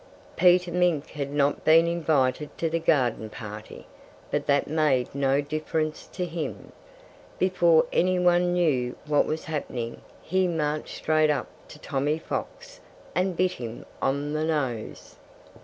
Peter Mink had not been invited to the garden party. But that made no difference to him. Before anyone knew what was happening he marched straight up to Tommy Fox and bit him on the nose.